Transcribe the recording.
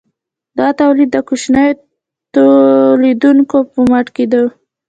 دا تولید د کوچنیو تولیدونکو په مټ کیده.